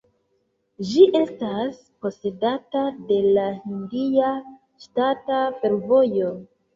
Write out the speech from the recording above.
Ĝi estas posedata de la Hindia ŝtata fervojo.